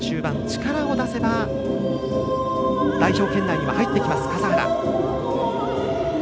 力を出せば代表圏内には入ってくる笠原。